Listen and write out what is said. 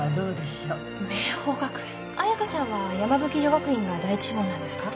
彩香ちゃんは山吹女学院が第一志望なんですか？